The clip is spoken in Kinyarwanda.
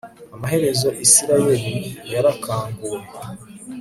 Amaherezo Isirayeli yarakanguwe